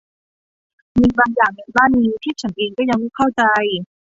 มีบางอย่างในบ้านนี้ที่ฉันเองก็ยังไม่เข้าใจ